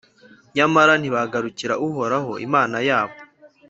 nyamara ntibagarukira Uhoraho, Imana yabo,